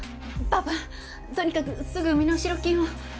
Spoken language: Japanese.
パパとにかくすぐ身代金を。